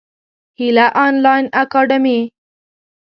هیله انلاین اکاډمي.